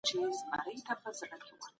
پـــه وجود كي ده